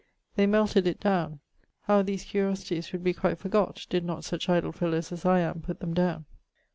They melted it downe. How these curiosities would be quite forgott, did not such idle fellowes as I am putt them downe!